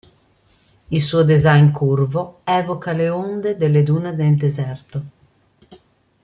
Il suo design curvo evoca le onde delle dune del deserto.